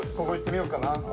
ここいってみようかな。